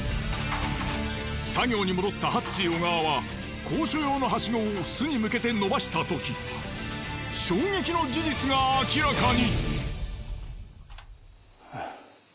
作業に戻ったハッチー小川は高所用のハシゴを巣に向けて伸ばした時衝撃の事実が明らかに。